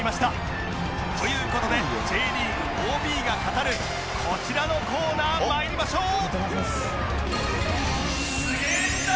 という事で Ｊ リーグ ＯＢ が語るこちらのコーナー参りましょう！